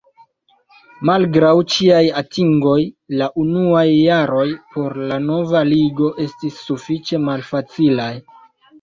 Malgraŭ ĉiaj atingoj la unuaj jaroj por la nova Ligo estis sufiĉe malfacilaj.